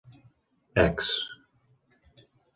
Ex: